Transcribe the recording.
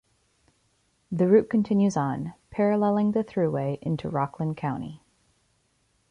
The route continues on, paralleling the Thruway into Rockland County.